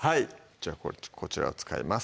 じゃあこちらを使います